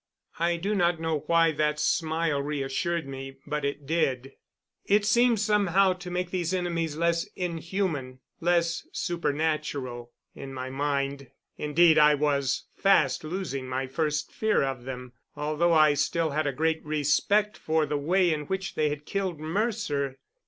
I do not know why that smile reassured me, but it did. It seemed somehow to make these enemies less inhuman less supernatural in my mind. Indeed, I was fast losing my first fear of them, although I still had a great respect for the way in which they had killed Mercer.